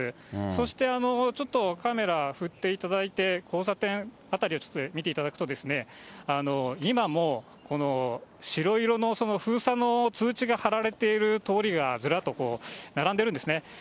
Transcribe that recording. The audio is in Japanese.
そして、ちょっとカメラ振っていただいて、交差点辺りをちょっと見ていただくと、今も白色の封鎖の通知が貼られている通りが、ずらっと並んでるんですね。